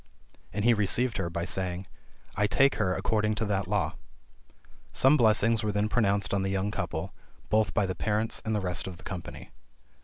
And he received her, by saying, "I take her according to that law." Some blessings were then pronounced on the young couple, both by the parents and the rest of the company.